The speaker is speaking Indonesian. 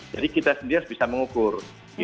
jadi kita sendiri harus bisa mengukur